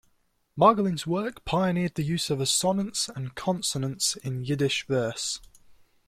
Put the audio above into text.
Margolin's work pioneered the use of assonance and consonance in Yiddish verse.